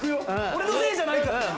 俺のせいじゃないからね。